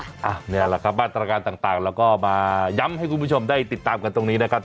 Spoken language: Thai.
นี่แหละครับมาตรการต่างเราก็มาย้ำให้คุณผู้ชมได้ติดตามกันตรงนี้นะครับ